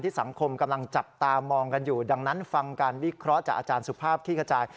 สังคมกำลังจับตามองกันอยู่ดังนั้นฟังการวิเคราะห์จากอาจารย์สุภาพขี้กระจาย